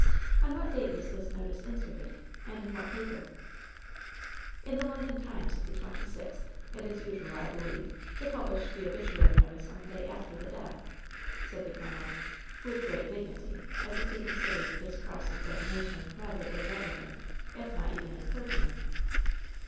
"On what date was this notice inserted, and in what paper ?" "In the London Times of the twenty sixth. It is usual, I believe, to publish the obituary notice on the day after the death," said the colonel, with great dignity, as if he considered this cross examination rather irrelevant^ if not even impertinent."